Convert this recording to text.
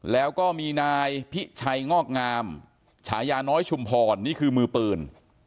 แล้วก็มีนายพิชัยงอกงามฉายาน้อยชุมพรนี่คือมือปืน